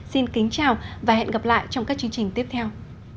xin kính chào và hẹn gặp lại trong các chương trình tiếp theo